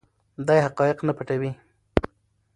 دی حقایق نه پټوي.